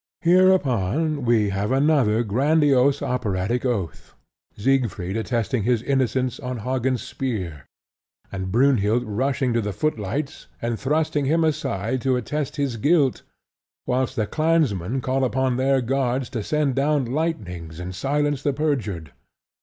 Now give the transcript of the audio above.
Hereupon we have another grandiose operatic oath, Siegfried attesting his innocence on Hagen's spear, and Brynhild rushing to the footlights and thrusting him aside to attest his guilt, whilst the clansmen call upon their gods to send down lightnings and silence the perjured.